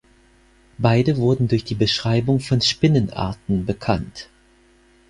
Beide wurden durch die Beschreibung von Spinnenarten bekannt.